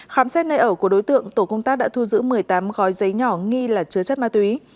khám xét nơi ở của đối tượng tổ công tác đã thu giữ một mươi tám gói giấy nhỏ nghi là chứa chất ma túy